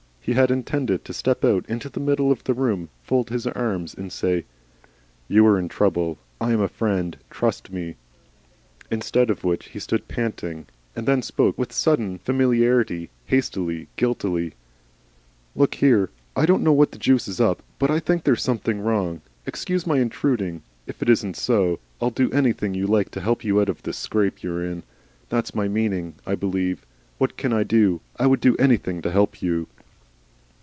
He had intended to step out into the middle of the room, fold his arms and say, "You are in trouble. I am a Friend. Trust me." Instead of which he stood panting and then spoke with sudden familiarity, hastily, guiltily: "Look here. I don't know what the juice is up, but I think there's something wrong. Excuse my intruding if it isn't so. I'll do anything you like to help you out of the scrape if you're in one. That's my meaning, I believe. What can I do? I would do anything to help you."